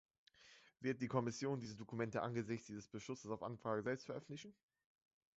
Wird die Kommission diese Dokumente angesichts dieses Beschlusses auf Anfrage selbst veröffentlichen?